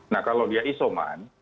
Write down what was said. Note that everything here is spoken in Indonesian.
nah kalau dia isoman